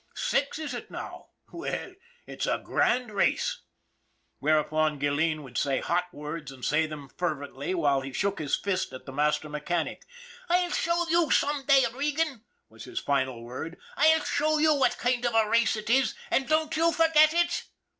Six, is it now ? well, it's a grand race !" Whereupon Gilleen would say hot words and say them fervently, while he shook his fist at the master mechanic. " I'll show you some day, Regan," was his final word. " I'll show you what kind of a race it is, an' don't you forget it